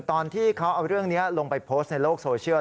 ตอนที่เขาเอาเรื่องนี้ลงไปโพสต์ในโลกโซเชียล